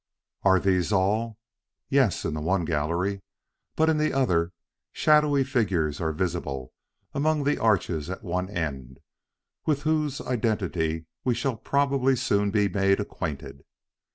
Are these all? Yes, in the one gallery; but in the other, shadowy figures are visible among the arches at one end, with whose identity we shall probably soon be made acquainted.